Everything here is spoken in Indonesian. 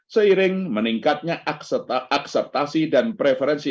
seiring meningkatnya akseptasi dan preferensi